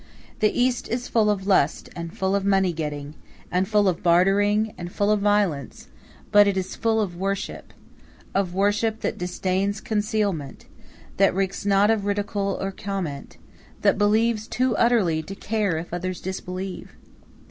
The East is full of lust and full of money getting, and full of bartering, and full of violence; but it is full of worship of worship that disdains concealment, that recks not of ridicule or comment, that believes too utterly to care if others disbelieve.